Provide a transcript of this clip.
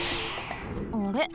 あれ？